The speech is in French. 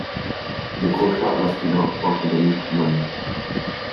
Les krochas masculins portent la nuque longue.